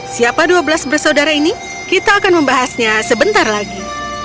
siapa dua belas bersaudara ini kita akan membahasnya sebentar lagi